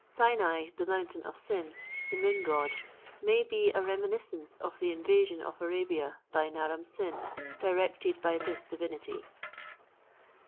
Sinai, the mountain of Sin, the Moon God, may be a reminiscence of the invasion of Arabia by Naram Sin directed by this divinity.